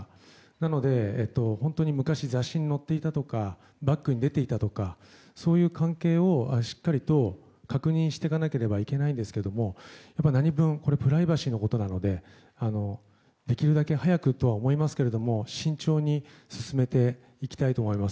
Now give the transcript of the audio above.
なので、本当に昔雑誌に載っていたとかバックに出ていたとかそういう関係をしっかりと確認していかなければいけないんですが何分、プライバシーのことなのでできるだけ早くとは思いますけれども慎重に進めていきたいと思います。